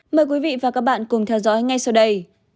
mời quý vị và các bạn cùng theo dõi ngay sau đây